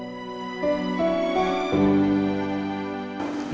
untuk nyakitin putri anak tante